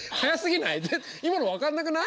今の分かんなくない？